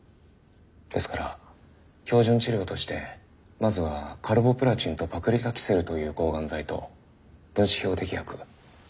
ですから標準治療としてまずはカルボプラチンとパクリタキセルという抗がん剤と分子標的薬免疫チェックポイント。